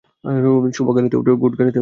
Good, গাড়িতে উঠো।